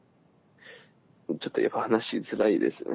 ちょっとやっぱ話しづらいですね。